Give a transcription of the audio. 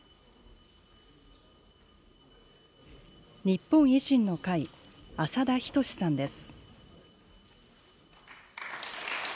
日本維新の会、浅田均さんです。